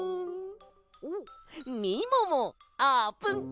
おっみももあーぷん